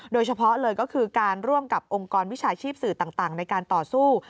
โดยเฉพาะเลยก็คือการร่วมกับองค์กรวิชาชีพสื่อต่างในการต่อสู้